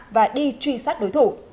và đi truy sát đối thủ